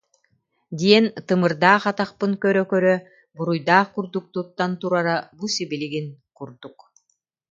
диэн тымырдаах атахпын көрө-көрө буруйдаах курдук туттан турара бу сибилигин курдук